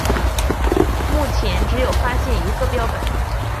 目前只有发现一个标本。